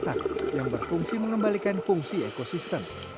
terumbu berat yang berfungsi mengembalikan fungsi ekosistem